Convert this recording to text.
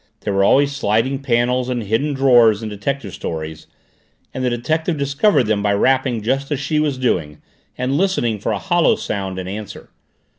There were always sliding panels and hidden drawers in detective stories and the detective discovered them by rapping just as she was doing, and listening for a hollow sound in answer.